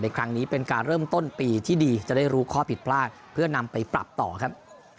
ครั้งนี้เป็นการเริ่มต้นปีที่ดีจะได้รู้ข้อผิดพลาดเพื่อนำไปปรับต่อครับ